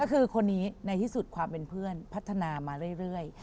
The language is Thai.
ก็คือคนนี้ในที่สุดความเป็นเพื่อนพัฒนามาเรื่อย